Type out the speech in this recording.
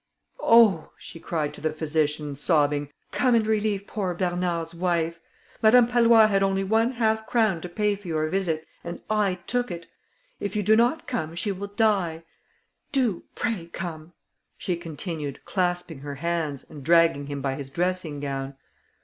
"Oh," she cried to the physician, sobbing, "come and relieve poor Bernard's wife; Madame Pallois had only one half crown to pay for your visit, and I took it. If you do not come, she will die. Do, pray, come;" she continued, clasping her hands, and dragging him by his dressing gown.